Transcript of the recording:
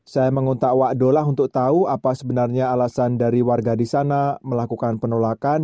saya menguntak wakdola untuk tahu apa sebenarnya alasan dari warga di sana melakukan penolakan